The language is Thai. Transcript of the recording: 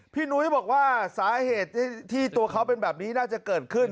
นุ้ยบอกว่าสาเหตุที่ตัวเขาเป็นแบบนี้น่าจะเกิดขึ้น